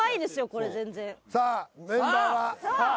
これ全然メンバーはさあ？